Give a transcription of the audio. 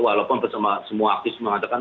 walaupun semua aktif mengatakan